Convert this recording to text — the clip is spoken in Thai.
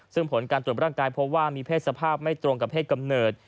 ซึ่งผลการตรวจร่างกายพบว่ามีเพศสภาพไม่ตรงกับเพศกำเนิด